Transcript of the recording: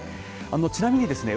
ちなみにですね